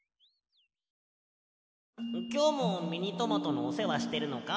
きょうもミニトマトのおせわしてるのか？